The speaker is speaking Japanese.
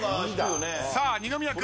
さあ二宮君。